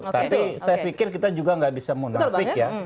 tapi saya pikir kita juga nggak bisa munafik ya